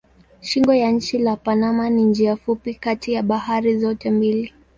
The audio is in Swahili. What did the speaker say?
Shingo ya nchi la Panama ni njia fupi kati ya bahari zote mbili.